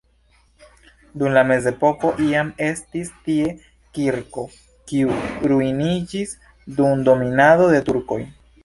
Dum la mezepoko jam estis tie kirko, kiu ruiniĝis dum dominado de turkoj.